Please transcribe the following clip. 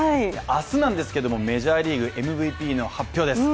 明日なんですけども、メジャーリーグＭＶＰの発表です。